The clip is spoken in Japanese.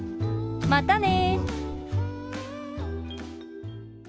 またね！